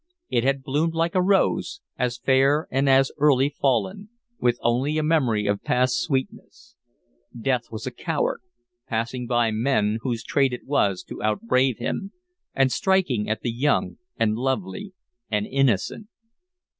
It had bloomed like a rose, as fair and as early fallen, with only a memory of past sweetness. Death was a coward, passing by men whose trade it was to out brave him, and striking at the young and lovely and innocent....